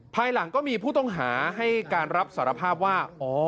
ภายหลังก็มีผู้ต้องหาให้การรับสารภาพว่า